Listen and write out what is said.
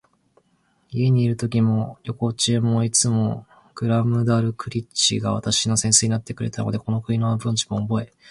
家にいるときも、旅行中も、いつもグラムダルクリッチが私の先生になってくれたので、この国の文字もおぼえ、